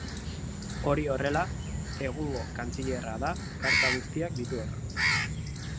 Hori horrela, egungo kantzilerra da karta guztiak dituena.